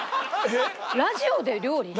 ラジオで料理。